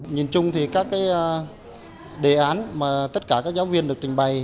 nhìn chung thì các đề án mà tất cả các giáo viên được trình bày